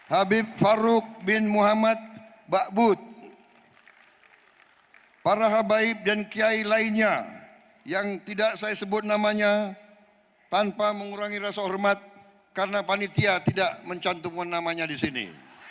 habib faruk bin muhammad bakbut para habaib dan kiai lainnya yang tidak saya sebut namanya tanpa mengurangi rasa hormat karena panitia tidak mencantumkan namanya di sini